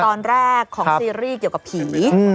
ของซีรีส์เกี่ยวกับผี